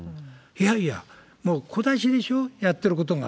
いやいや、もう小出しでしょ、やってることが。